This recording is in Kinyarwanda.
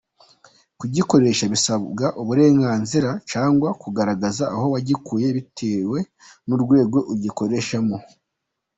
Kugikoresha bisabirwa uburenganzira cyangwa kugaragaza aho wagikuye, bitewe n’urwego ugikoreshamo.